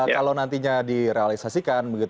kalau nantinya direalisasikan